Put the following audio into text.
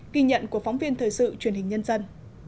ghi nhận của phóng viên thời sự truyền hình nhân dân